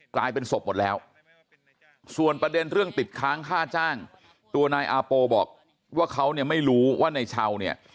กลายเป็นศพหมดแล้วส่วนประเด็นเรื่องติดค้างค่าจ้างตัวนายอาโปบอกว่าเขาเนี่ยไม่รู้ว่านายเช่าเนี่ย